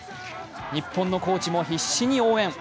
日本のコーチも必死に応援。